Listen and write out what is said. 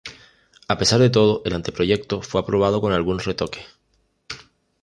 A pesar de todo el Anteproyecto fue aprobado con algunos retoques.